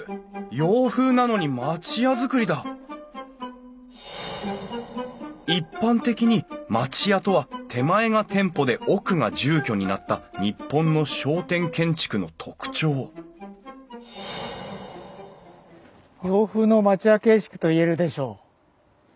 洋風なのに町屋造りだ一般的に町屋とは手前が店舗で奥が住居になった日本の商店建築の特徴洋風の町屋形式といえるでしょう。